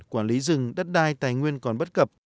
quản lý rừng đất đai tài nguyên còn bất cập